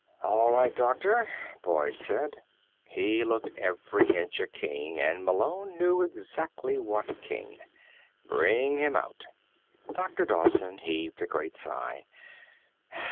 "All right, doctor," Boyd said. He looked every inch a king, and Malone knew exactly what king. "Bring him out." Dr. Dowson heaved a great sigh.